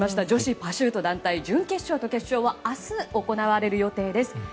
女子パシュート団体準決勝と決勝は明日、行われる予定です。